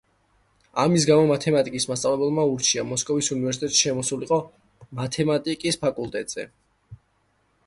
ამის გამო, მათემატიკის მასწავლებელმა ურჩია, მოსკოვის უნივერსიტეტში შესულიყო მათემატიკის ფაკულტეტზე.